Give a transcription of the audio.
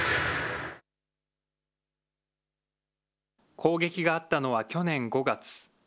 攻撃があったのは去年５月。